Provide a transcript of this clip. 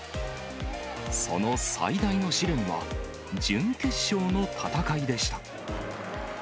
その最大の試練は、準決勝の戦いでした。